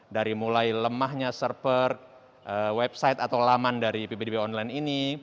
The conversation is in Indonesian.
dari mulai lemahnya server website atau laman dari pbdb online ini